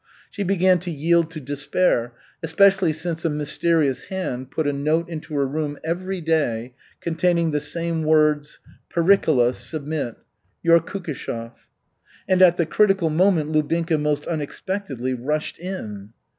She began to yield to despair, especially since a mysterious hand put a note into her room every day containing the same words, "Pericola, submit. Your Kukishev." And at the critical moment Lubinka most unexpectedly rushed in.